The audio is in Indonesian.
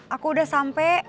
aku udah sampai